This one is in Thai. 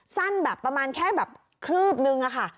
สั้นแบบประมาณแค่แบบคืบนึงอะค่ะ